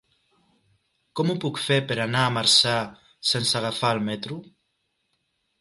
Com ho puc fer per anar a Marçà sense agafar el metro?